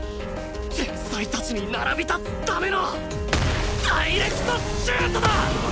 天才たちに並び立つためのダイレクトシュートだ！